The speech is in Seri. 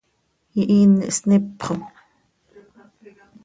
¡Ihiini nsiip xo!